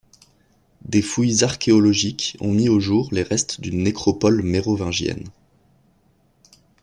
Des fouilles archéologiques ont mis au jour les restes d'une nécropole mérovingienne.